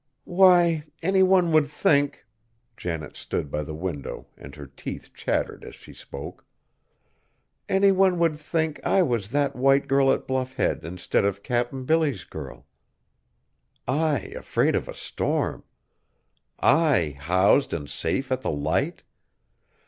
"Why, any one would think," Janet stood by the window and her teeth chattered as she spoke, "any one would think I was that white girl at Bluff Head instead of Cap'n Billy's girl. I afraid of a storm! I, housed and safe at the Light!